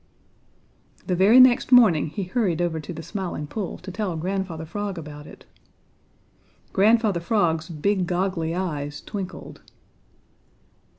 The very next morning he hurried over to the Smiling Pool to tell Grandfather Frog about it. Grandfather Frog's big, goggly eyes twinkled.